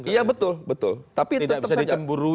iya betul tapi tetap saja tidak bisa dicemburu